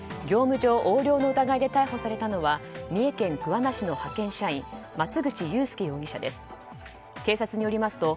業務上横領の疑いで逮捕されたのは三重県桑名市の派遣社員松口雄介容疑者です。